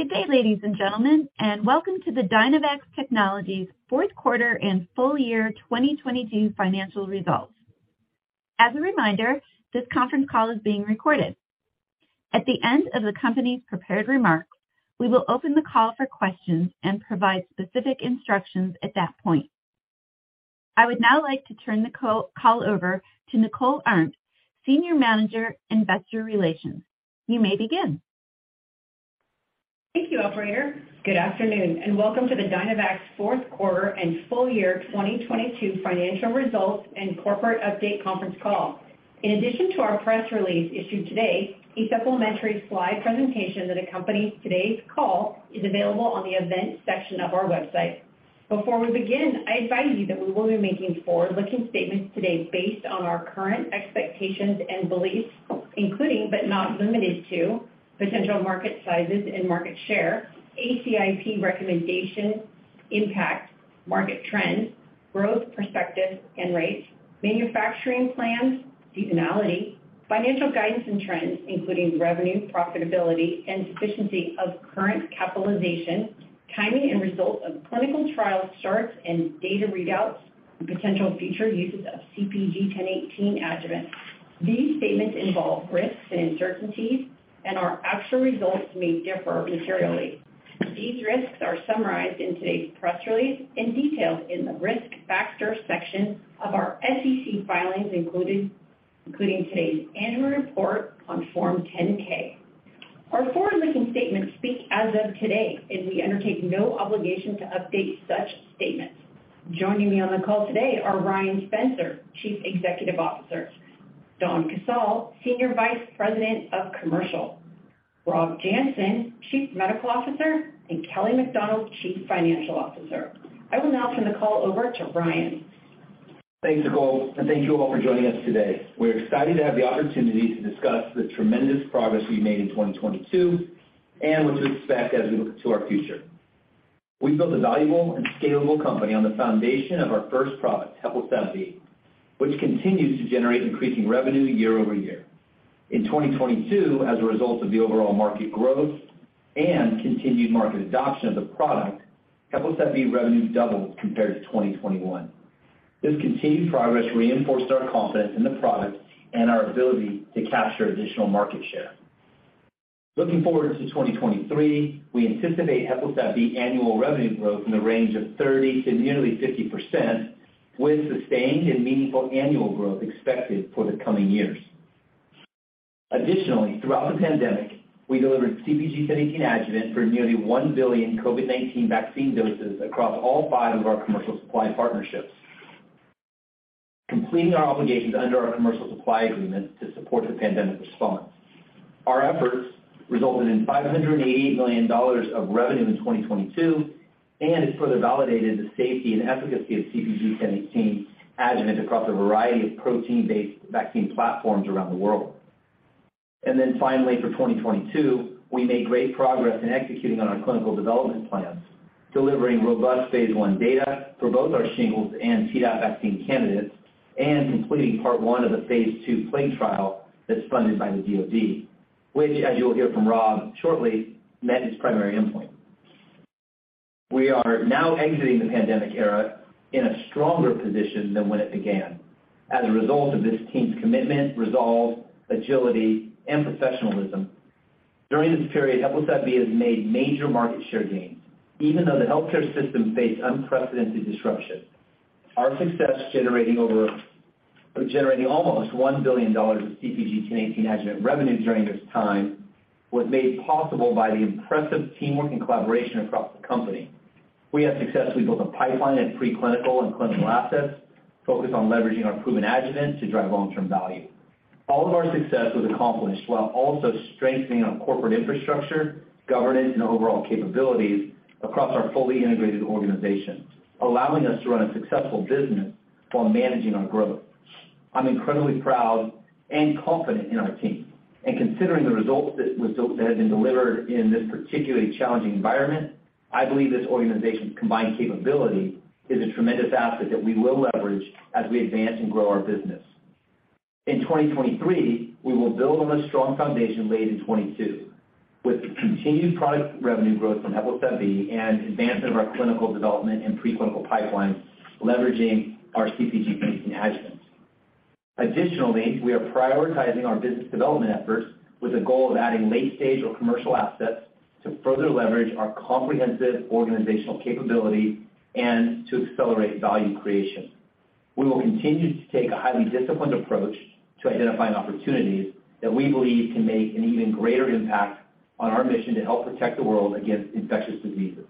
Good day, ladies and gentlemen, and welcome to the Dynavax Technologies fourth quarter and full year 2022 financial results. As a reminder, this conference call is being recorded. At the end of the company's prepared remarks, we will open the call for questions and provide specific instructions at that point. I would now like to turn the co-call over to Nicole Arndt, Senior Manager, Investor Relations. You may begin. Thank you, operator. Good afternoon, and welcome to the Dynavax fourth quarter and full year 2022 financial results and corporate update conference call. In addition to our press release issued today, a supplementary slide presentation that accompanies today's call is available on the events section of our website. Before we begin, I advise you that we will be making forward-looking statements today based on our current expectations and beliefs, including, but not limited to, potential market sizes and market share, ACIP recommendation impact, market trends, growth perspectives and rates, manufacturing plans, seasonality, financial guidance and trends, including revenue, profitability, and sufficiency of current capitalization, timing and results of clinical trial starts and data readouts, and potential future uses of CpG 1018 adjuvant. These statements involve risks and uncertainties, and our actual results may differ materially. These risks are summarized in today's press release and detailed in the Risk Factors section of our SEC filings, including today's annual report on Form 10-K. Our forward-looking statements speak as of today, and we undertake no obligation to update such statements. Joining me on the call today are Ryan Spencer, Chief Executive Officer; Donn Casale, Senior Vice President of Commercial; Rob Janssen, Chief Medical Officer; and Kelly MacDonald, Chief Financial Officer. I will now turn the call over to Ryan. Thanks, Nicole, and thank you all for joining us today. We're excited to have the opportunity to discuss the tremendous progress we made in 2022 and what to expect as we look to our future. We've built a valuable and scalable company on the foundation of our first product, HEPLISAV-B, which continues to generate increasing revenue year-over-year. In 2022, as a result of the overall market growth and continued market adoption of the product, HEPLISAV-B revenue doubled compared to 2021. This continued progress reinforced our confidence in the product and our ability to capture additional market share. Looking forward to 2023, we anticipate HEPLISAV-B annual revenue growth in the range of 30% to nearly 50% with sustained and meaningful annual growth expected for the coming years. Additionally, throughout the pandemic, we delivered CpG 1018 adjuvant for nearly one billion COVID-19 vaccine doses across all five of our commercial supply partnerships, completing our obligations under our commercial supply agreement to support the pandemic response. Our efforts resulted in $588 million of revenue in 2022 and has further validated the safety and efficacy of CpG 1018 adjuvant across a variety of protein-based vaccine platforms around the world. Finally, for 2022, we made great progress in executing on our clinical development plans, delivering robust phase I data for both our shingles and Tdap vaccine candidates and completing part one of the phase II plague trial that's funded by the DoD, which as you'll hear from Rob shortly, met its primary endpoint. We are now exiting the pandemic era in a stronger position than when it began as a result of this team's commitment, resolve, agility, and professionalism. During this period, HEPLISAV-B has made major market share gains, even though the healthcare system faced unprecedented disruption. Our success generating almost $1 billion of CpG 1018 adjuvant revenue during this time was made possible by the impressive teamwork and collaboration across the company. We have successfully built a pipeline of preclinical and clinical assets focused on leveraging our proven adjuvant to drive long-term value. Our success was accomplished while also strengthening our corporate infrastructure, governance, and overall capabilities across our fully integrated organizations, allowing us to run a successful business while managing our growth. I'm incredibly proud and confident in our team. Considering the results that have been delivered in this particularly challenging environment, I believe this organization's combined capability is a tremendous asset that we will leverage as we advance and grow our business. In 2023, we will build on the strong foundation laid in 2022 with the continued product revenue growth from HEPLISAV-B and advancement of our clinical development and preclinical pipeline, leveraging our CpG 1018 adjuvant. Additionally, we are prioritizing our business development efforts with a goal of adding late-stage or commercial assets to further leverage our comprehensive organizational capability and to accelerate value creation. We will continue to take a highly disciplined approach to identifying opportunities that we believe can make an even greater impact on our mission to help protect the world against infectious diseases.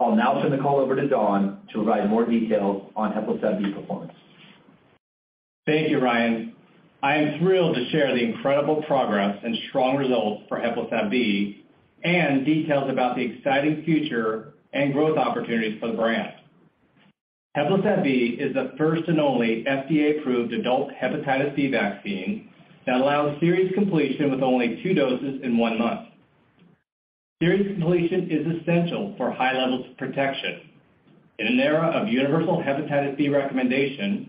I'll now turn the call over to Donn to provide more details on HEPLISAV-B performance. Thank you, Ryan. I am thrilled to share the incredible progress and strong results for HEPLISAV-B and details about the exciting future and growth opportunities for the brand. HEPLISAV-B is the first and only FDA-approved adult hepatitis B vaccine that allows series completion with only two doses in one month. Series completion is essential for high levels of protection. In an era of universal hepatitis B recommendation.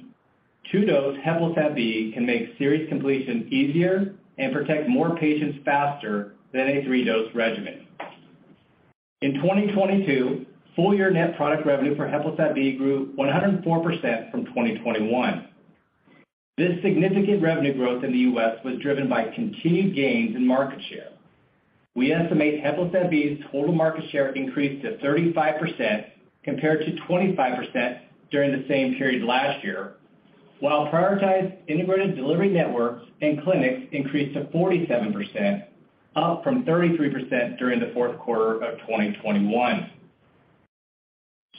Two-dose HEPLISAV-B can make series completion easier and protect more patients faster than a three-dose regimen. In 2022, full year net product revenue for HEPLISAV-B grew 104% from 2021. This significant revenue growth in the U.S. was driven by continued gains in market share. We estimate HEPLISAV-B's total market share increased to 35% compared to 25% during the same period last year. While prioritized Integrated Delivery Networks and clinics increased to 47%, up from 33% during the fourth quarter of 2021.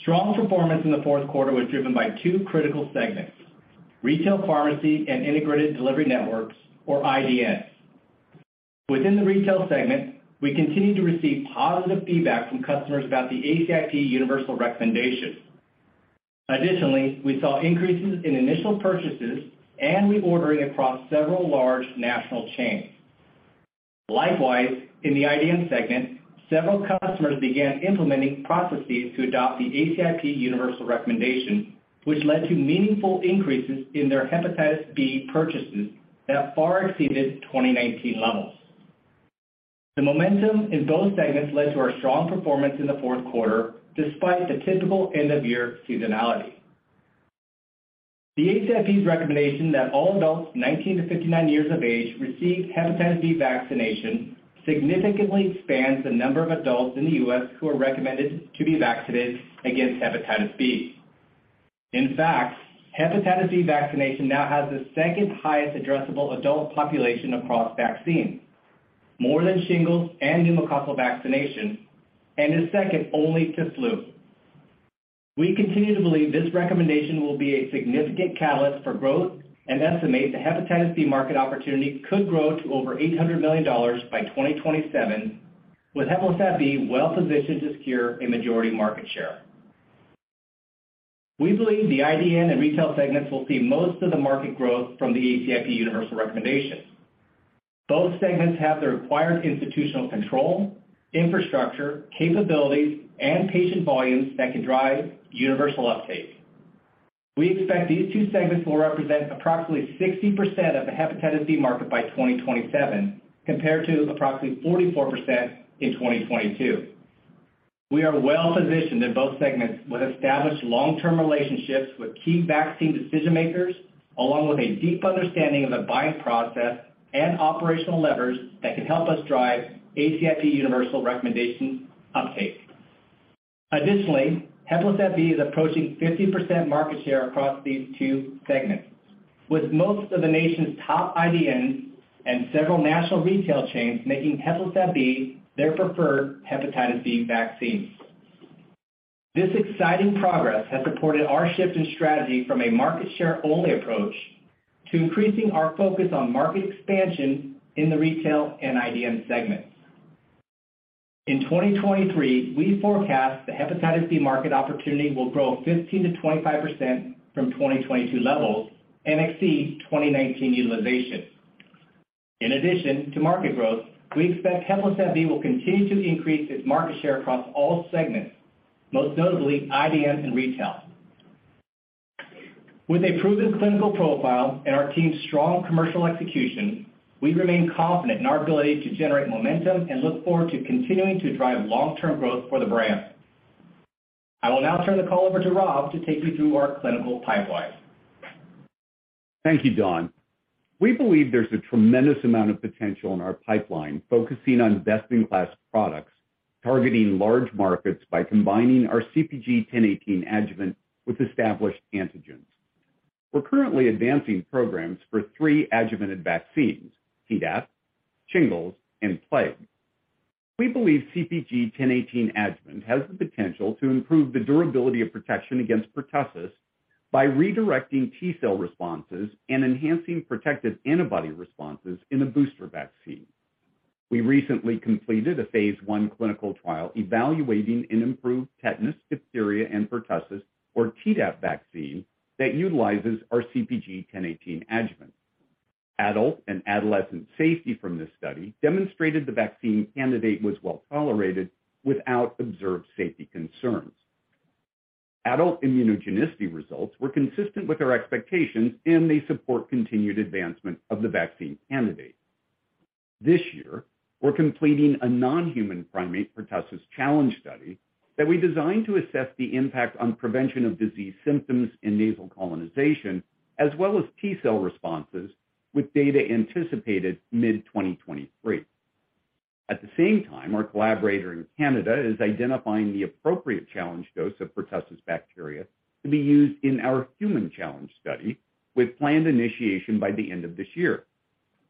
Strong performance in the fourth quarter was driven by two critical segments: retail pharmacy and Integrated Delivery Networks or IDNs. Within the retail segment, we continued to receive positive feedback from customers about the ACIP universal recommendation. Additionally, we saw increases in initial purchases and reordering across several large national chains. Likewise, in the IDN segment, several customers began implementing processes to adopt the ACIP universal recommendation, which led to meaningful increases in their hepatitis B purchases that far exceeded 2019 levels. The momentum in both segments led to our strong performance in the fourth quarter, despite the typical end-of-year seasonality. The ACIP's recommendation that all adults 19-59 years of age receive hepatitis B vaccination significantly expands the number of adults in the U.S. who are recommended to be vaccinated against hepatitis B. In fact, hepatitis B vaccination now has the second highest addressable adult population across vaccines, more than shingles and pneumococcal vaccination, and is second only to flu. We continue to believe this recommendation will be a significant catalyst for growth and estimate the hepatitis B market opportunity could grow to over $800 million by 2027 with HEPLISAV-B well-positioned to secure a majority market share. We believe the IDN and retail segments will see most of the market growth from the ACIP universal recommendation. Both segments have the required institutional control, infrastructure, capabilities, and patient volumes that can drive universal uptake. We expect these two segments will represent approximately 60% of the hepatitis B market by 2027, compared to approximately 44% in 2022. We are well positioned in both segments with established long-term relationships with key vaccine decision-makers, along with a deep understanding of the buying process and operational levers that can help us drive ACIP universal recommendation uptake. Additionally, HEPLISAV-B is approaching 50% market share across these two segments, with most of the nation's top IDNs and several national retail chains making HEPLISAV-B their preferred hepatitis B vaccine. This exciting progress has supported our shift in strategy from a market share only approach to increasing our focus on market expansion in the retail and IDN segments. In 2023, we forecast the hepatitis B market opportunity will grow 15%-25% from 2022 levels and exceed 2019 utilization. In addition to market growth, we expect HEPLISAV-B will continue to increase its market share across all segments, most notably IDNs and retail. With a proven clinical profile and our team's strong commercial execution, we remain confident in our ability to generate momentum and look forward to continuing to drive long-term growth for the brand. I will now turn the call over to Rob to take you through our clinical pipeline. Thank you, Donn. We believe there's a tremendous amount of potential in our pipeline, focusing on best-in-class products, targeting large markets by combining our CpG 1018 adjuvant with established antigens. We're currently advancing programs for three adjuvanted vaccines, Tdap, shingles, and plague. We believe CpG 1018 adjuvant has the potential to improve the durability of protection against pertussis by redirecting T-cell responses and enhancing protective antibody responses in a booster vaccine. We recently completed a phase I clinical trial evaluating an improved tetanus, diphtheria, and pertussis or Tdap vaccine that utilizes our CpG 1018 adjuvant. Adult and adolescent safety from this study demonstrated the vaccine candidate was well-tolerated without observed safety concerns. Adult immunogenicity results were consistent with our expectations, and they support continued advancement of the vaccine candidate. This year, we're completing a non-human primate pertussis challenge study that we designed to assess the impact on prevention of disease symptoms in nasal colonization, as well as T-cell responses with data anticipated mid-2023. At the same time, our collaborator in Canada is identifying the appropriate challenge dose of pertussis bacteria to be used in our human challenge study with planned initiation by the end of this year.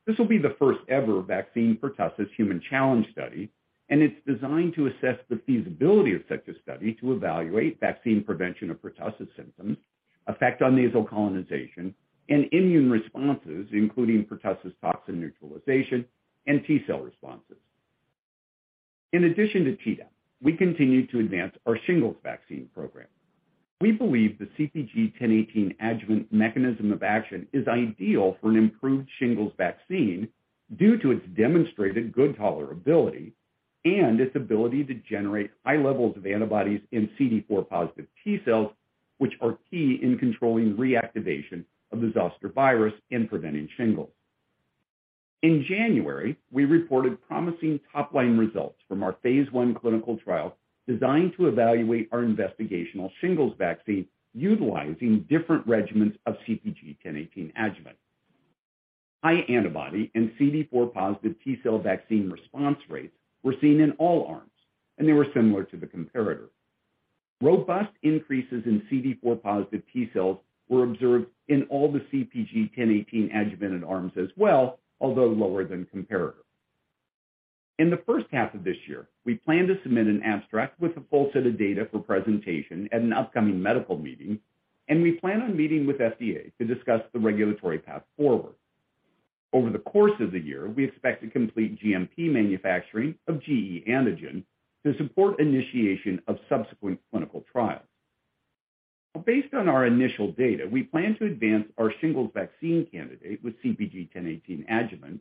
This will be the first ever vaccine pertussis human challenge study, and it's designed to assess the feasibility of such a study to evaluate vaccine prevention of pertussis symptoms, effect on nasal colonization, and immune responses, including pertussis toxin neutralization and T-cell responses. In addition to Tdap, we continue to advance our shingles vaccine program. We believe the CpG 1018 adjuvant mechanism of action is ideal for an improved shingles vaccine due to its demonstrated good tolerability and its ability to generate high levels of antibodies in CD4+ T cells, which are key in controlling reactivation of the varicella-zoster virus and preventing shingles. In January, we reported promising top-line results from our phase I clinical trial designed to evaluate our investigational shingles vaccine utilizing different regimens of CpG 1018 adjuvant. High antibody and CD4+ T cell vaccine response rates were seen in all arms, they were similar to the comparator. Robust increases in CD4+ T cells were observed in all the CpG 1018 adjuvanted arms as well, although lower than comparator. In the first half of this year, we plan to submit an abstract with a full set of data for presentation at an upcoming medical meeting, and we plan on meeting with FDA to discuss the regulatory path forward. Over the course of the year, we expect to complete GMP manufacturing of gE antigen to support initiation of subsequent clinical trials. Based on our initial data, we plan to advance our shingles vaccine candidate with CpG 1018 adjuvant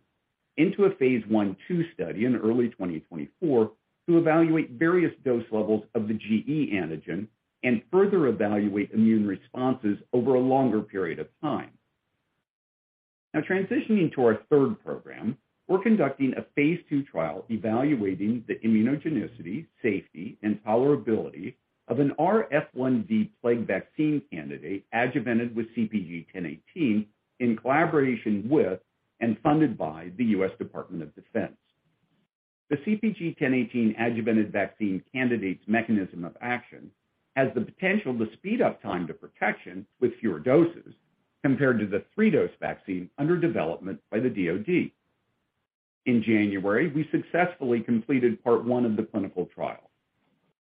into a phase I/II study in early 2024 to evaluate various dose levels of the gE antigen and further evaluate immune responses over a longer period of time. Transitioning to our third program, we're conducting a phase I trial evaluating the immunogenicity, safety, and tolerability of an rF1V plague vaccine candidate adjuvanted with CpG 1018 in collaboration with and funded by the US Department of Defense. The CpG 1018 adjuvanted vaccine candidate's mechanism of action has the potential to speed up time to protection with fewer doses compared to the three-dose vaccine under development by the DoD. In January, we successfully completed part one of the clinical trial.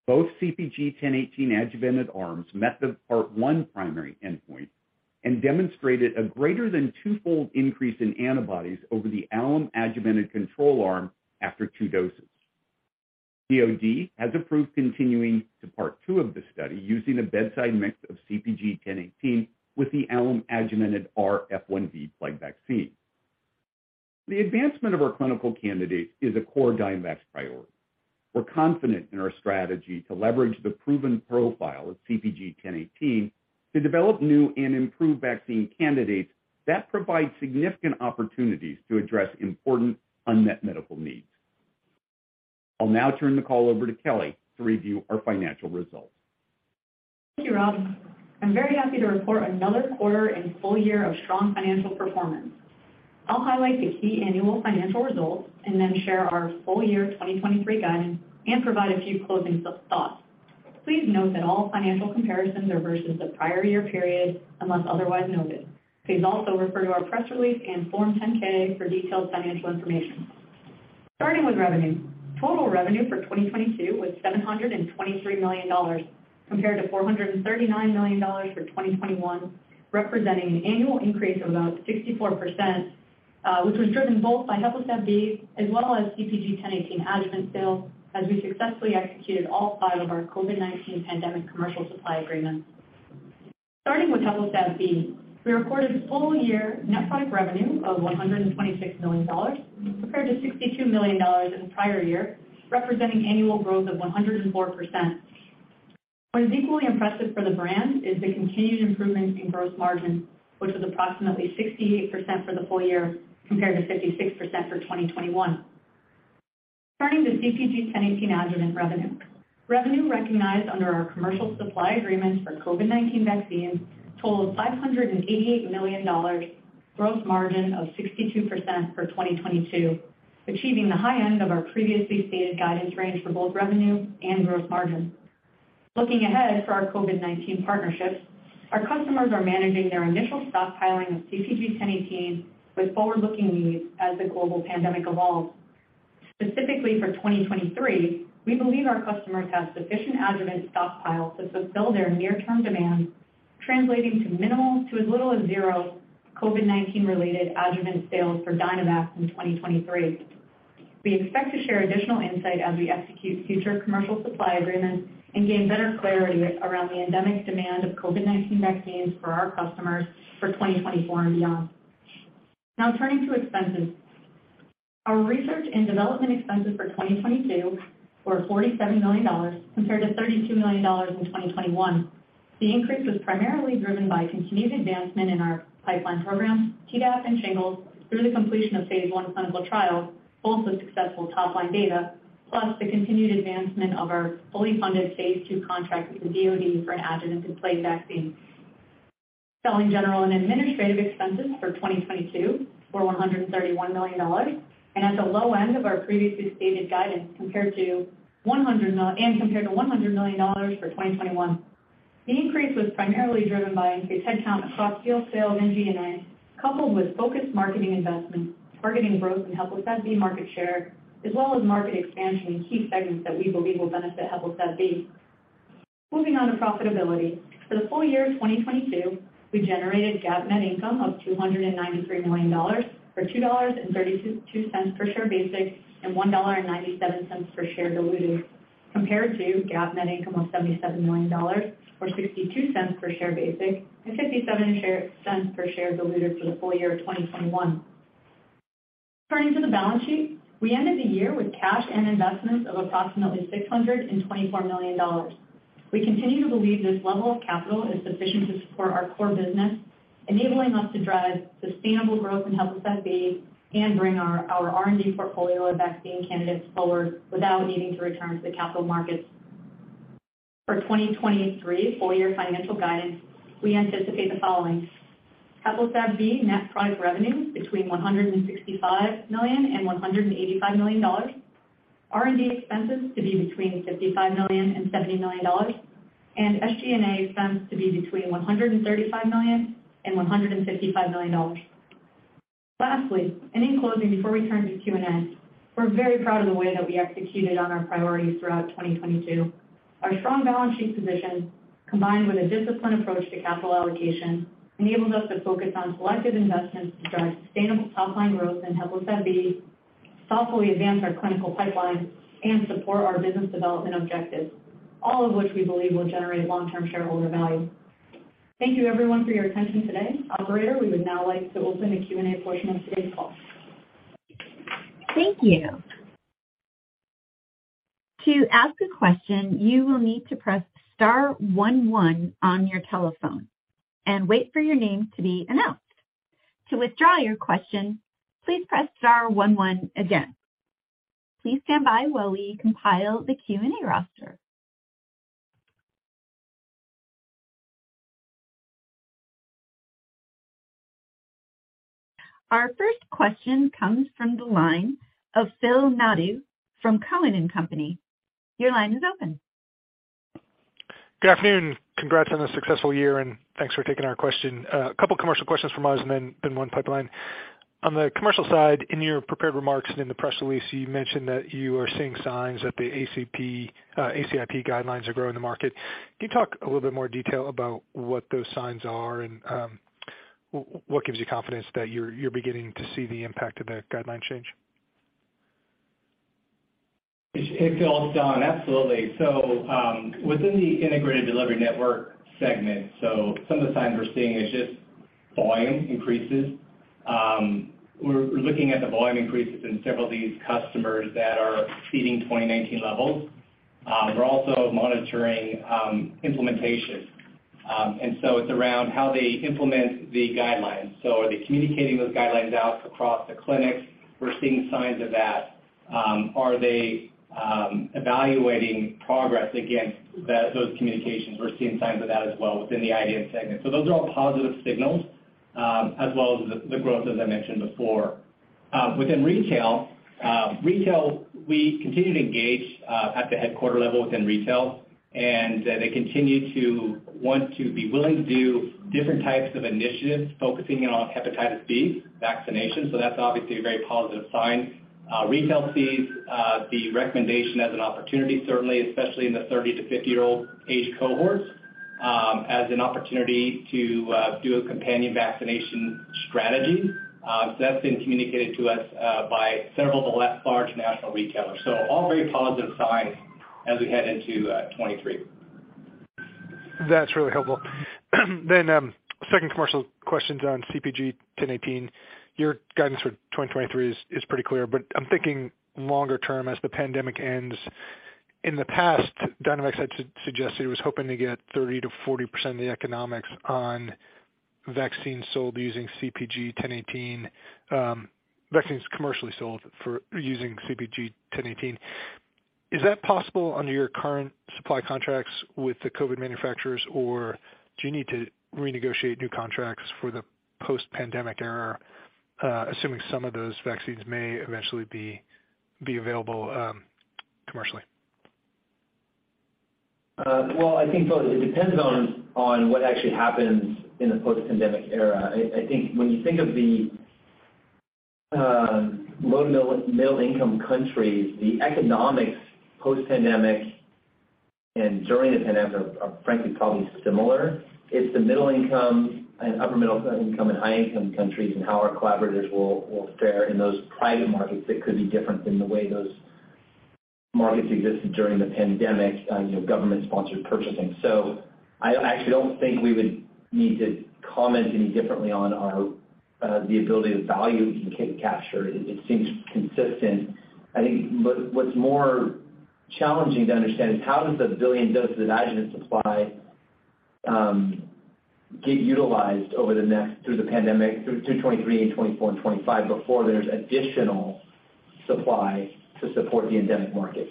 Both CpG 1018 adjuvanted arms met the part one primary endpoint and demonstrated a greater than two-fold increase in antibodies over the alum-adjuvanted control arm after two doses. DoD has approved continuing to part two of the study using a bedside mix of CpG 1018 with the alum-adjuvanted rF1V plague vaccine. The advancement of our clinical candidates is a core Dynavax priority. We're confident in our strategy to leverage the proven profile of CpG 1018 to develop new and improved vaccine candidates that provide significant opportunities to address important unmet medical needs. I'll now turn the call over to Kelly to review our financial results. Thank you, Rob. I'm very happy to report another quarter and full year of strong financial performance. I'll highlight the key annual financial results and then share our full year 2023 guidance and provide a few closing thoughts. Please note that all financial comparisons are versus the prior year period unless otherwise noted. Please also refer to our press release and Form 10-K for detailed financial information. Starting with revenue. Total revenue for 2022 was $723 million compared to $439 million for 2021, representing an annual increase of about 64%, which was driven both by HEPLISAV-B as well as CpG 1018 adjuvant sales as we successfully executed all five of our COVID-19 pandemic commercial supply agreements. Starting with HEPLISAV-B, we recorded full year net product revenue of $126 million compared to $62 million in the prior year, representing annual growth of 104%. What is equally impressive for the brand is the continued improvement in gross margin, which was approximately 68% for the full year compared to 56% for 2021. Starting with CpG 1018 adjuvant revenue. Revenue recognized under our commercial supply agreements for COVID-19 vaccines totaled $588 million, gross margin of 62% for 2022, achieving the high end of our previously stated guidance range for both revenue and gross margin. Looking ahead for our COVID-19 partnerships, our customers are managing their initial stockpiling of CpG 1018 with forward-looking needs as the global pandemic evolves. Specifically for 2023, we believe our customers have sufficient adjuvant stockpiles to fulfill their near-term demands, translating to minimal to as little as zero COVID-19 related adjuvant sales for Dynavax in 2023. We expect to share additional insight as we execute future commercial supply agreements and gain better clarity around the endemic demand of COVID-19 vaccines for our customers for 2024 and beyond. Turning to expenses. Our research and development expenses for 2022 were $47 million compared to $32 million in 2021. The increase was primarily driven by continued advancement in our pipeline programs, Tdap and shingles, through the completion of phase I clinical trials, both with successful top-line data, plus the continued advancement of our fully funded phase II contract with the DoD for an adjuvanted plague vaccine. Selling, general, and administrative expenses for 2022 were $131 million and at the low end of our previously stated guidance compared to $100 million for 2021. The increase was primarily driven by increased headcount across field sales and SG&A, coupled with focused marketing investments targeting growth in HEPLISAV-B market share as well as market expansion in key segments that we believe will benefit HEPLISAV-B. Moving on to profitability. For the full year 2022, we generated GAAP net income of $293 million, or $2.32 per share basic, and $1.97 per share diluted. Compared to GAAP net income of $77 million or $0.62 per share basic and $0.67 per share diluted for the full year of 2021. Turning to the balance sheet. We ended the year with cash and investments of approximately $624 million. We continue to believe this level of capital is sufficient to support our core business, enabling us to drive sustainable growth in HEPLISAV-B and bring our R&D portfolio of vaccine candidates forward without needing to return to the capital markets. For 2023 full year financial guidance, we anticipate the following: HEPLISAV-B net product revenue between $165 million and $185 million. R&D expenses to be between $55 million and $70 million, SG&A expense to be between $135 million and $155 million. Lastly, in closing, before we turn to Q&A, we're very proud of the way that we executed on our priorities throughout 2022. Our strong balance sheet position, combined with a disciplined approach to capital allocation, enables us to focus on selective investments to drive sustainable top line growth in HEPLISAV-B, thoughtfully advance our clinical pipeline, and support our business development objectives, all of which we believe will generate long-term shareholder value. Thank you everyone for your attention today. Operator, we would now like to open the Q&A portion of today's call. Thank you. To ask a question, you will need to press star one one on your telephone and wait for your name to be announced. To withdraw your question, please press star one one again. Please stand by while we compile the Q&A roster. Our first question comes from the line of Phil Nadeau from Cowen and Company. Your line is open. Good afternoon. Congrats on a successful year. Thanks for taking our question. A couple commercial questions from us and then one pipeline. On the commercial side, in your prepared remarks and in the press release, you mentioned that you are seeing signs that the ACIP guidelines are growing the market. Can you talk a little bit more detail about what those signs are and, what gives you confidence that you're beginning to see the impact of that guideline change? Hey, Phil, it's Donn. Absolutely. Within the Integrated Delivery Network segment, some of the signs we're seeing is just volume increases. We're looking at the volume increases in several of these customers that are exceeding 2019 levels. We're also monitoring implementation. It's around how they implement the guidelines. Are they communicating those guidelines out across the clinics? We're seeing signs of that. Are they evaluating progress against those communications? We're seeing signs of that as well within the IDN segment. Those are all positive signals, as well as the growth as I mentioned before. Within retail, we continue to engage at the headquarter level within retail, and they continue to want to be willing to do different types of initiatives focusing in on hepatitis B vaccinations. That's obviously a very positive sign. Retail sees the recommendation as an opportunity, certainly especially in the 30 to 50-year-old age cohorts, as an opportunity to do a companion vaccination strategy. That's been communicated to us by several of the large national retailers. All very positive signs as we head into 2023. That's really helpful. Second commercial questions on CpG 1018. Your guidance for 2023 is pretty clear, but I'm thinking longer term as the pandemic ends. In the past, Dynavax had suggested it was hoping to get 30%-40% of the economics on vaccines sold using CpG 1018, vaccines commercially sold for, using CpG 1018. Is that possible under your current supply contracts with the COVID manufacturers, or do you need to renegotiate new contracts for the post-pandemic era, assuming some of those vaccines may eventually be available commercially? Well, I think, Phil, it depends on what actually happens in the post-pandemic era. I think when you think of the low- to middle-income countries, the economics post-pandemic and during the pandemic are frankly probably similar. It's the middle-income and upper-middle-income and high-income countries and how our collaborators will fare in those private markets that could be different than the way those markets existed during the pandemic, you know, government-sponsored purchasing. I actually don't think we would need to comment any differently on our the ability to value we can capture. It seems consistent. I think what's more challenging to understand is how does the one billion doses of the adjuvant supply get utilized over the next through the pandemic through 2023 and 2024 and 2025 before there's additional supply to support the endemic market.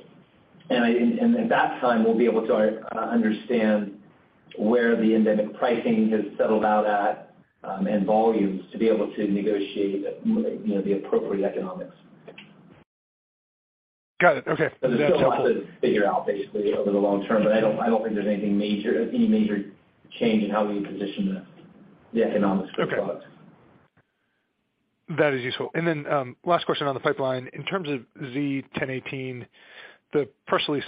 At that time, we'll be able to understand where the endemic pricing has settled out at, and volumes to be able to negotiate, you know, the appropriate economics. Got it. Okay. There's still a lot to figure out basically over the long term, but I don't think there's anything major, any major change in how we position the economics for the products. Okay. That is useful. Then, last question on the pipeline. In terms of Z-1018, the press release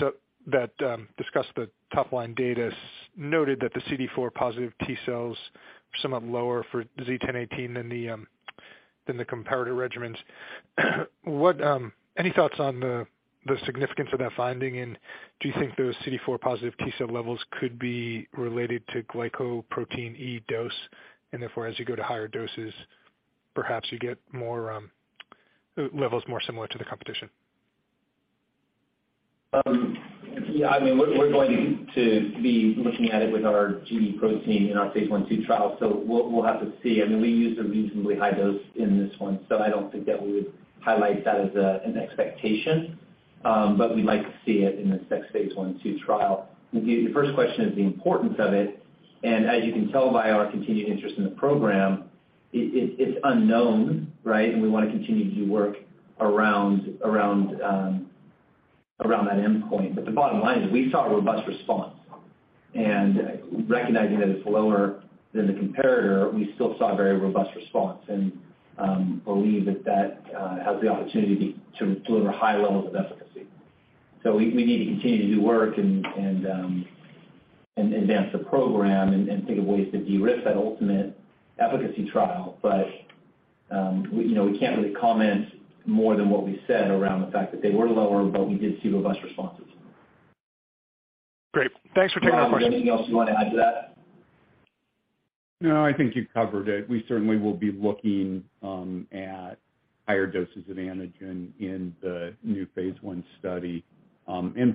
that discussed the top line data noted that the CD4+ T cells are somewhat lower for Z-1018 than the Than the comparator regimens. What? Any thoughts on the significance of that finding? Do you think those CD4+ T cell levels could be related to Glycoprotein E dose, and therefore, as you go to higher doses, perhaps you get more levels more similar to the competition? Yeah. I mean, we're going to be looking at it with our gE protein in our phase one, two trial, so we'll have to see. I mean, we used a reasonably high dose in this one, so I don't think that we would highlight that as an expectation. But we might see it in this next phase one, two trial. The first question is the importance of it, and as you can tell by our continued interest in the program, it's unknown, right? We wanna continue to do work around that endpoint. But the bottom line is we saw a robust response. Recognizing that it's lower than the comparator, we still saw a very robust response and believe that has the opportunity to deliver high levels of efficacy. We need to continue to do work and advance the program and think of ways to de-risk that ultimate efficacy trial, but we, you know, we can't really comment more than what we said around the fact that they were lower, but we did see robust responses. Great. Thanks for taking our questions. Rob, is there anything else you wanna add to that? No, I think you've covered it. We certainly will be looking at higher doses of antigen in the new phase one study, and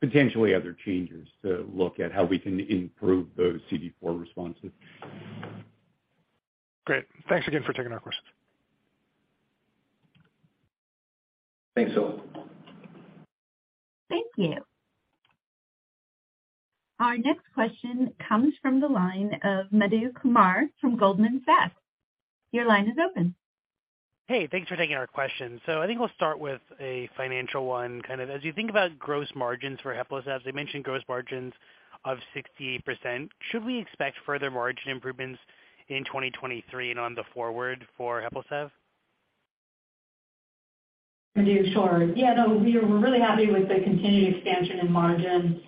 potentially other changes to look at how we can improve those CD4 responses. Great. Thanks again for taking our questions. Thanks, Phil. Thank you. Our next question comes from the line of Madhu Kumar from Goldman Sachs. Your line is open. Hey, thanks for taking our question. I think we'll start with a financial one kind of. As you think about gross margins for HEPLISAV, as you mentioned gross margins of 68%, should we expect further margin improvements in 2023 and on the forward for HEPLISAV? Madhu, sure. Yeah, no, we're really happy with the continued expansion in margin.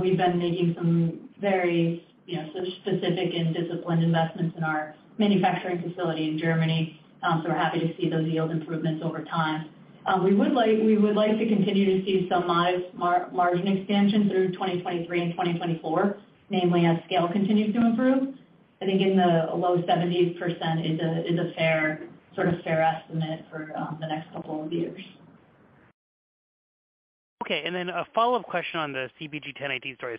We've been making some very, you know, specific and disciplined investments in our manufacturing facility in Germany, we're happy to see those yield improvements over time. We would like to continue to see some live margin expansion through 2023 and 2024, namely as scale continues to improve. I think in the low 70% is a fair, sort of fair estimate for the next couple of years. Okay. A follow-up question on the CpG 1018 story.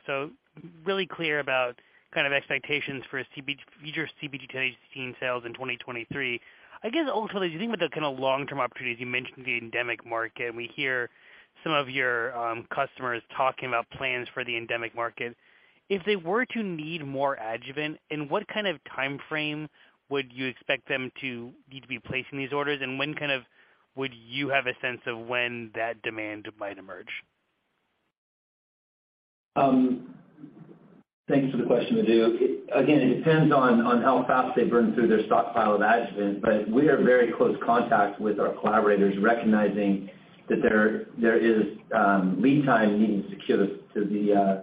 Really clear about kind of expectations for future CpG 1018 sales in 2023. I guess ultimately, as you think about the kinda long-term opportunities, you mentioned the endemic market, and we hear some of your customers talking about plans for the endemic market. If they were to need more adjuvant, in what kind of timeframe would you expect them to need to be placing these orders, and when, kind of, would you have a sense of when that demand might emerge? Thanks for the question, Madhu. Again, it depends on how fast they burn through their stockpile of adjuvant, but we are very close contact with our collaborators, recognizing that there is lead time needed to secure the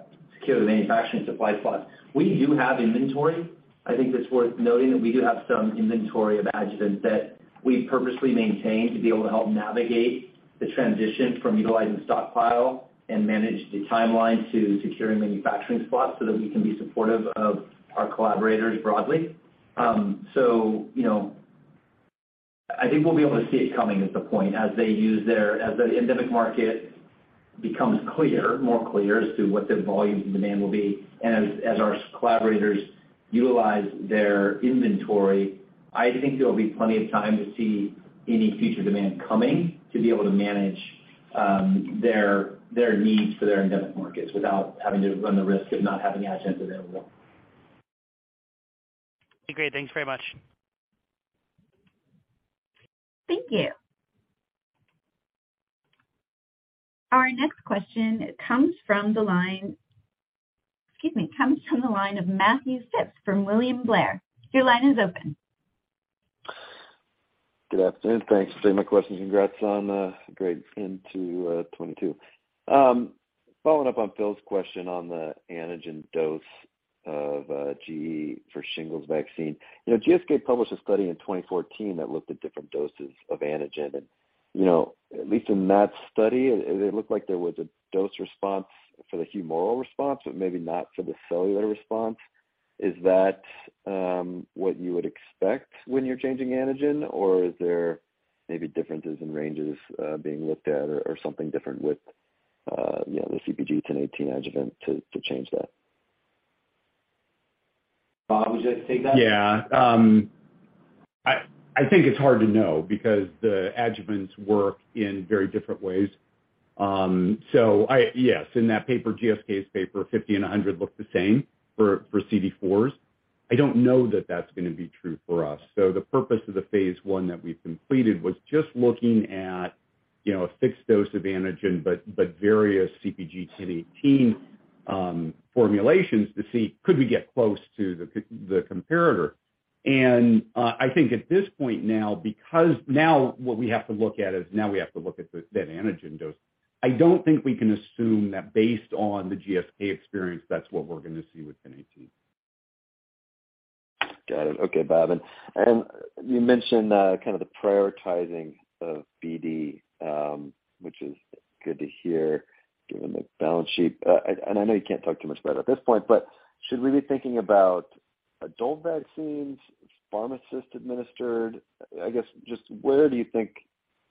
manufacturing supply spot. We do have inventory. I think that's worth noting that we do have some inventory of adjuvant that we've purposely maintained to be able to help navigate the transition from utilizing stockpile and manage the timeline to securing manufacturing spots so that we can be supportive of our collaborators broadly. You know, I think we'll be able to see it coming at the point as they use their... As the endemic market becomes clear, more clear as to what the volume and demand will be, and as our collaborators utilize their inventory, I think there'll be plenty of time to see any future demand coming to be able to manage, their needs for their endemic markets without having to run the risk of not having adjuvants available. Okay, great. Thanks very much. Thank you. Our next question, excuse me, comes from the line of Matthew Phipps from William Blair. Your line is open. Good afternoon. Thanks for taking my question. Congrats on a great end to 2022. Following up on Phil's question on the antigen dose of gE for shingles vaccine. You know, GSK published a study in 2014 that looked at different doses of antigen and, you know, at least in that study, it looked like there was a dose response for the humoral response, but maybe not for the cellular response. Is that what you would expect when you're changing antigen, or is there maybe differences in ranges being looked at or something different with, you know, the CpG 1018 adjuvant to change that? Bob, would you like to take that? Yeah. I think it's hard to know because the adjuvants work in very different ways. Yes, in that paper, GSK's paper, 50 and 100 look the same for CD4s. I don't know that that's gonna be true for us. The purpose of the phase I that we've completed was just looking at, you know, a fixed dose of antigen but various CpG 1018 formulations to see could we get close to the comparator. I think at this point now, because now what we have to look at is now we have to look at that antigen dose. I don't think we can assume that based on the GSK experience, that's what we're gonna see with CpG 1018. Got it. Okay, Bob. You mentioned, kind of the prioritizing of BD, which is good to hear given the balance sheet. I know you can't talk too much about it at this point, but should we be thinking about adult vaccines, pharmacist administered? I guess just where do you think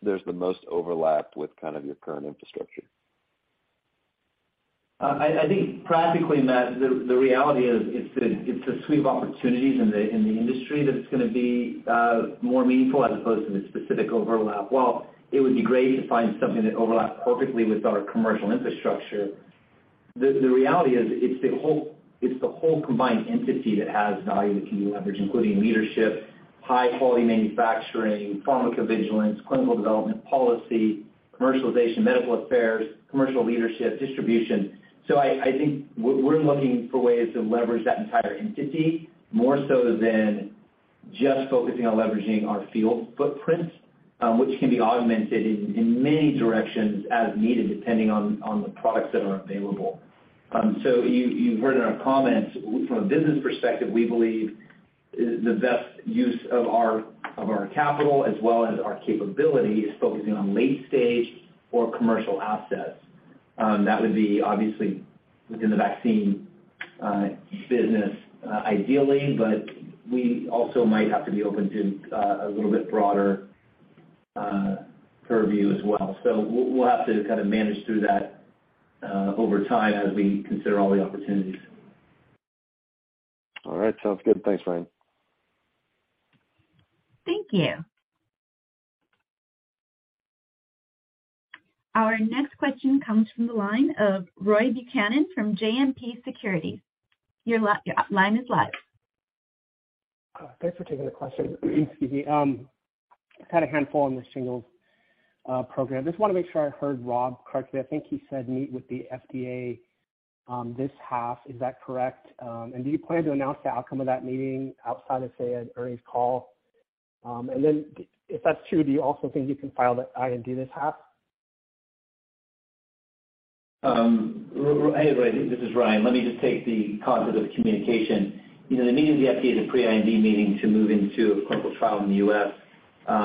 there's the most overlap with kind of your current infrastructure? I think practically, Matt, the reality is it's the suite of opportunities in the industry that it's gonna be more meaningful as opposed to the specific overlap. While it would be great to find something that overlaps perfectly with our commercial infrastructure, the reality is it's the whole combined entity that has value that can be leveraged, including leadership, high quality manufacturing, pharmacovigilance, clinical development policy, commercialization, medical affairs, commercial leadership, distribution. I think we're looking for ways to leverage that entire entity more so than just focusing on leveraging our field footprint, which can be augmented in many directions as needed, depending on the products that are available. You've heard in our comments from a business perspective, we believe the best use of our capital as well as our capability is focusing on late stage or commercial assets. That would be obviously within the vaccine business ideally, but we also might have to be open to a little bit broader purview as well. We'll have to kind of manage through that over time as we consider all the opportunities. All right, sounds good. Thanks, Ryan. Thank you. Our next question comes from the line of Roy Buchanan from JMP Securities. Your line is live. Thanks for taking the question. Excuse me. I've had a handful on the shingles program. Just wanna make sure I heard Rob correctly. I think he said meet with the FDA this half. Is that correct? Do you plan to announce the outcome of that meeting outside of, say, an earnings call? If that's true, do you also think you can file the IND this half? Roy, this is Ryan. Let me just take the cognitive communication. You know, the meeting with the FDA is a pre-IND meeting to move into a clinical trial in the US.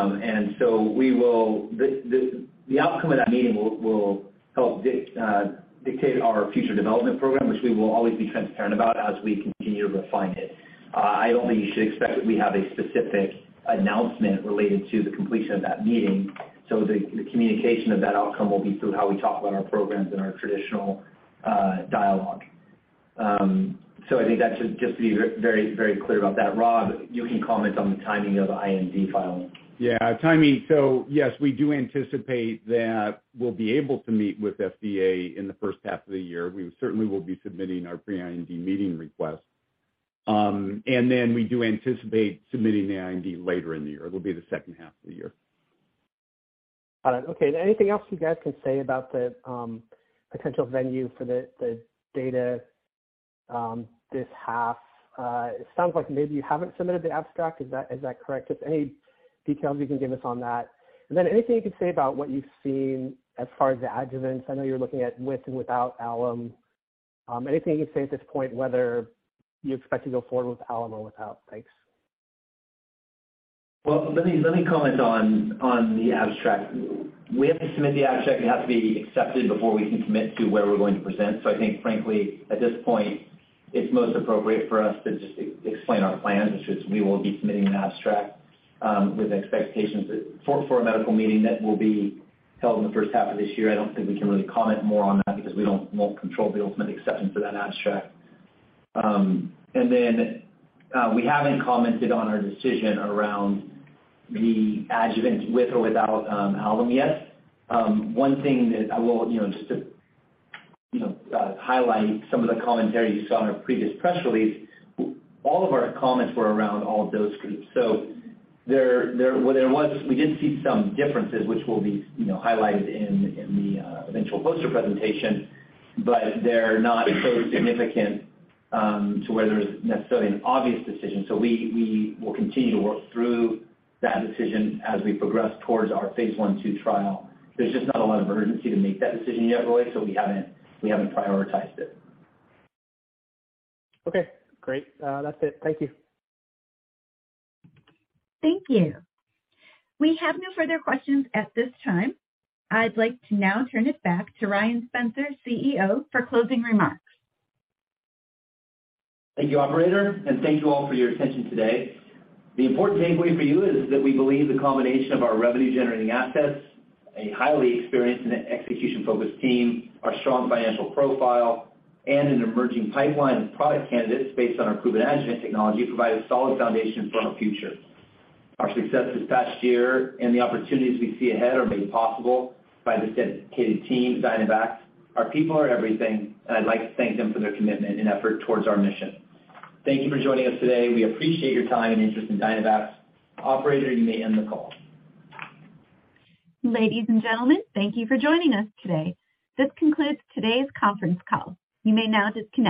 The outcome of that meeting will help dictate our future development program, which we will always be transparent about as we continue to refine it. I don't think you should expect that we have a specific announcement related to the completion of that meeting. The communication of that outcome will be through how we talk about our programs in our traditional dialogue. I think that should just be very clear about that. Rob, you can comment on the timing of the IND filing. Yeah, timing. Yes, we do anticipate that we'll be able to meet with FDA in the first half of the year. We certainly will be submitting our pre-IND meeting request. We do anticipate submitting the IND later in the year. It'll be the second half of the year. All right. Okay. Anything else you guys can say about the potential venue for the data this half? It sounds like maybe you haven't submitted the abstract. Is that correct? Just any details you can give us on that. Anything you can say about what you've seen as far as the adjuvants? I know you're looking at with and without alum. Anything you can say at this point, whether you expect to go forward with alum or without? Thanks. Well, let me comment on the abstract. We have to submit the abstract. It has to be accepted before we can commit to where we're going to present. I think frankly, at this point, it's most appropriate for us to just explain our plans, which is we will be submitting an abstract with expectations that for a medical meeting that will be held in the first half of this year. I don't think we can really comment more on that because we don't, won't control the ultimate acceptance of that abstract. We haven't commented on our decision around the adjuvant with or without alum yet. One thing that I will, you know, just to, you know, highlight some of the commentary you saw in our previous press release, all of our comments were around all of those groups. There was, we did see some differences which will be, you know, highlighted in the eventual poster presentation, but they're not so significant to where there's necessarily an obvious decision. We will continue to work through that decision as we progress towards our phase I/II trial. There's just not a lot of urgency to make that decision yet, Roy, so we haven't prioritized it. Okay, great. That's it. Thank you. Thank you. We have no further questions at this time. I'd like to now turn it back to Ryan Spencer, CEO, for closing remarks. Thank you, operator, and thank you all for your attention today. The important takeaway for you is that we believe the combination of our revenue generating assets, a highly experienced and execution-focused team, our strong financial profile, and an emerging pipeline of product candidates based on our proven adjuvant technology provide a solid foundation for our future. Our success this past year and the opportunities we see ahead are made possible by the dedicated team at Dynavax. Our people are everything, and I'd like to thank them for their commitment and effort towards our mission. Thank you for joining us today. We appreciate your time and interest in Dynavax. Operator, you may end the call. Ladies and gentlemen, thank you for joining us today. This concludes today's conference call. You may now disconnect.